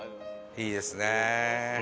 いいですね。